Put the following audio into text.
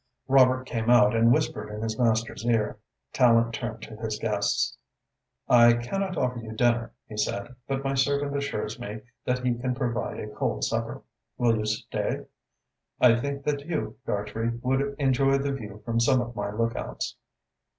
Robert came out and whispered in his master's ear. Tallente turned to his guests. "I cannot offer you dinner," he said, "but my servant assures me that he can provide a cold supper. Will you stay? I think that you, Dartrey, would enjoy the view from some of my lookouts."